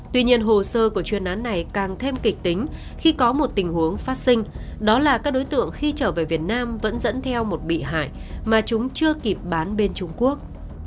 tuy nhiên hồ sơ của chuyên án này càng thêm kịch tính khi có một tình huống phát sinh đó là các đối tượng khi trở về việt nam vẫn dẫn theo một bị hại mà chúng chưa kịp bán bên trung quốc